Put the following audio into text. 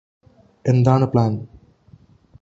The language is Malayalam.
എന്താണ് പ്ലാൻ